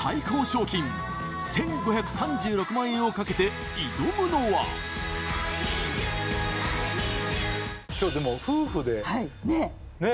最高賞金１５３６万円をかけて挑むのは今日でも夫婦ではいねえ？